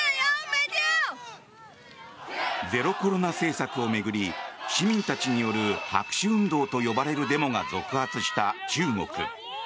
ゼロコロナ政策を巡り市民たちによる白紙運動と呼ばれるデモが続発した中国。